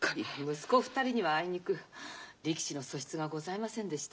息子２人にはあいにく力士の素質がございませんでした。